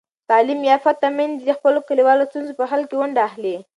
تعلیم یافته میندې د خپلو کلیوالو ستونزو په حل کې ونډه اخلي.